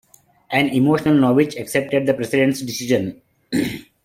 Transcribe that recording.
An emotional Novick accepted the President's decision.